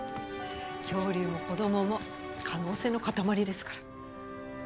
恐竜も子どもも可能性の塊ですから。